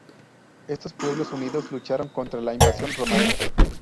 Estos pueblos unidos lucharon contra la invasión romana.